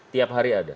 tiap hari ada